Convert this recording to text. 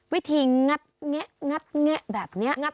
วิธีงัดแงะงัดแงะแบบนี้